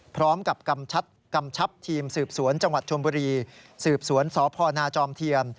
พร้อมกับกำชับทีมสืบสวนจังหวัดชมบุรีสืบสวนสพนาจอมเทียน